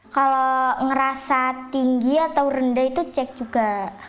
kalau ngerasa tinggi atau rendah itu cek juga